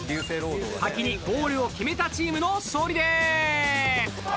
［先にゴールを決めたチームの勝利です！］